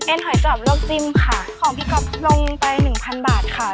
หอยจอบลวกจิ้มค่ะของพี่ก๊อฟลงไปหนึ่งพันบาทค่ะ